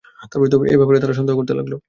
এ ব্যাপারে তারা সন্দেহ করতে লাগল।